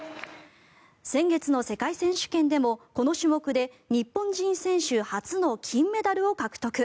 先月の世界選手権でもこの種目で日本人選手初の金メダルを獲得。